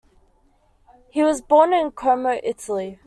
He was born in Como, Italy.